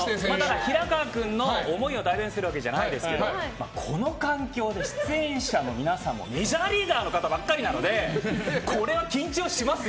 平川君の思いを代弁するわけじゃないですけどこの環境で出演者の皆さんもメジャーリーガーの方ばっかりなのでこれは緊張しますよ。